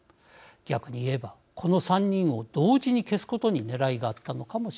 逆に言えばこの３人を同時に消すことにねらいがあったのかもしれません。